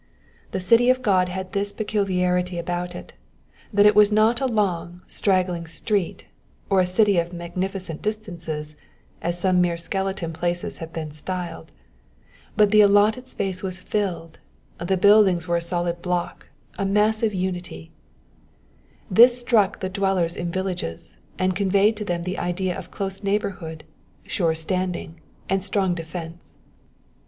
The city of God had this peculiarity about it, that it was not a long, straggling street, or a city of magniticent distances (as some mere skeleton places have been styled), but the allotted space was filled, the buildings were a solid block, a massive unity : this struck the dwellers in villages, and conveyed to them the idea of close neighbourhood, sure standing, and strong defence.